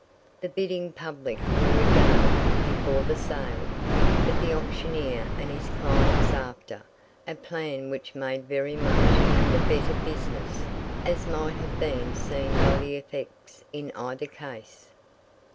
The bidding public were regaled before the sale, but the auctioneer and his clients after a plan which made very much the better business, as might have been seen by the effects in either case.